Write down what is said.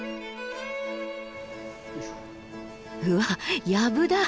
うわやぶだ。